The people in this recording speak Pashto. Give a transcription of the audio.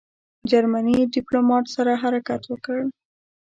جرمني ډیپلوماټ سره حرکت وکړ.